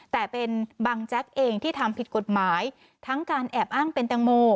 แต่เป็นบังแจ๊กเองที่ทำผิดกฎหมายทั้งการแอบอ้างเป็นแตงโม